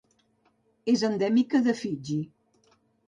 És endèmica de Fiji.